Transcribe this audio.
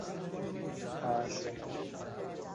তাহলে তুমি সিদ্ধান্ত বদল করেছো, আর চাকরি টা চাও?